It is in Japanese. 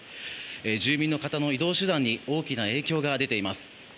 住民の方の移動手段に大きな影響が出ています。